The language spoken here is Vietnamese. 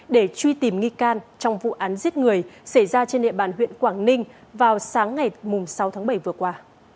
để truy tìm nghi can trong vụ án giết người xảy ra trên địa bàn huyện quảng ninh vào sáng ngày sáu tháng bảy vừa qua